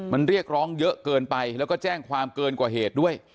มันเรียกร้องเยอะเกินไปแล้วก็แจ้งความเกินกว่าเหตุด้วย